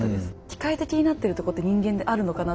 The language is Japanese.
機械的になってるとこって人間であるのかなって。